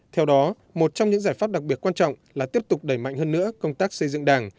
theo đó một trong những giải pháp đặc biệt quan trọng là tiếp tục đẩy mạnh hơn nữa công tác xây dựng đảng